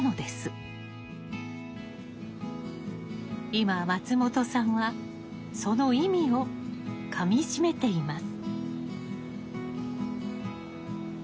今松本さんはその意味をかみしめています。